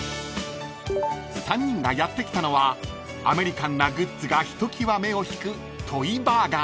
［３人がやって来たのはアメリカンなグッズがひときわ目を引く］